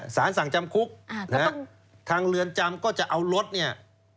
สารสั่งจำคุกนะฮะทางเรือนจำก็จะเอารถเนี่ย